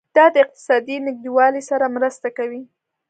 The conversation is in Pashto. دا د اقتصادي نږدیوالي سره مرسته کوي.